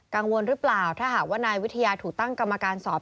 กังวลหรือเปล่าถ้าหากว่านายวิทยาถูกตั้งกรรมการสอบ